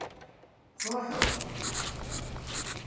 Tesṛuḥeḍ-t?